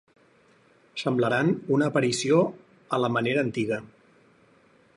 Semblaran una aparició a la manera antiga.